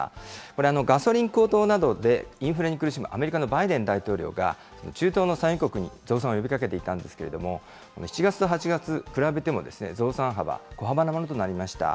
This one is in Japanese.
これ、ガソリン高騰などで、インフレに苦しむアメリカのバイデン大統領が、中東の産油国に増産を呼びかけていたんです、けれども、７月と８月、比べても増産幅、小幅なものとなりました。